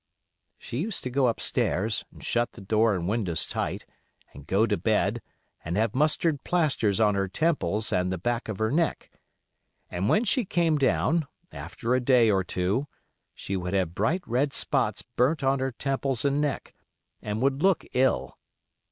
She used to go up stairs, and shut the door and windows tight, and go to bed, and have mustard plasters on her temples and the back of her neck; and when she came down, after a day or two, she would have bright red spots burnt on her temples and neck, and would look ill.